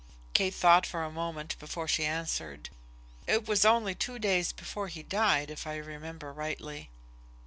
Kate thought for a moment before she answered. "It was only two days before he died, if I remember rightly."